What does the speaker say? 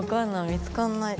見つかんない。